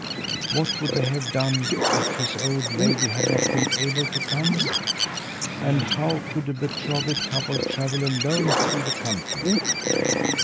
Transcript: What would they have done if his old lady had not been able to come? And how could a betrothed couple travel alone through the country?